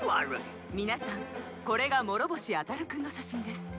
皆さんこれが諸星あたる君の写真です。